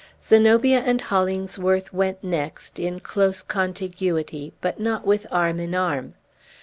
Zenobia and Hollingsworth went next, in close contiguity, but not with arm in arm.